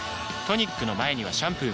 トニックの前にはシャンプーも